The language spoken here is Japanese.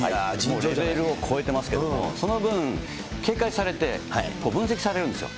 レベルを超えてますけども、その分、警戒されて、分析されるんですよ。